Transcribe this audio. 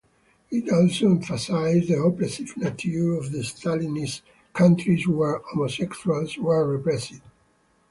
It also emphasized the oppressive nature of the Stalinist countries where homosexuals were repressed.